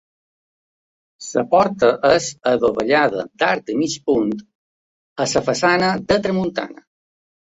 La porta és adovellada d'arc de mig punt a la façana de tramuntana.